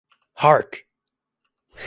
Hark!